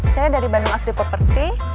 saya dari bandung asri poperty